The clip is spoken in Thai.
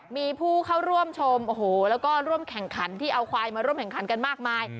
มีผู้เข้าร่วมชมโอ้โหแล้วก็ร่วมแข่งขันที่เอาควายมาร่วมแข่งขันกันมากมาย